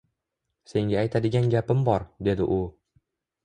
Senga aytadigan gapim bor, dedi u